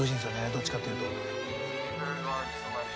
どっちかというと。